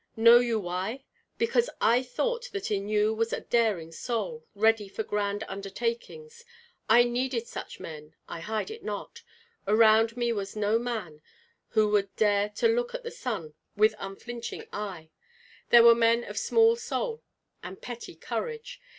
Know you why? Because I thought that in you was a daring soul, ready for grand undertakings. I needed such men, I hide it not. Around me was no man who would dare to look at the sun with unflinching eye. There were men of small soul and petty courage.